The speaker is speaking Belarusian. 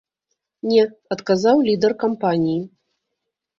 Не, адказаў лідэр кампаніі.